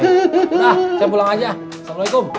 sudah saya pulang saja assalamualaikum